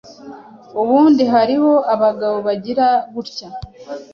Ubundi hariho abagabo bagira gutya